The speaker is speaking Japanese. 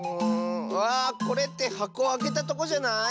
あこれってはこをあけたとこじゃない？